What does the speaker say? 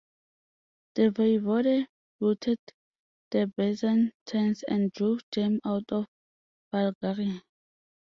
The Voivode routed the Byzantines and drove them out of Bulgaria.